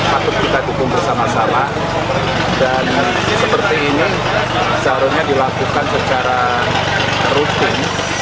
patut kita dukung bersama sama dan seperti ini seharusnya dilakukan secara rutin